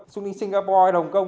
xuống đi singapore hay hồng kông